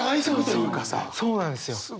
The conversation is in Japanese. そうなんですよ。